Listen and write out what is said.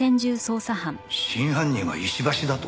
真犯人は石橋だと？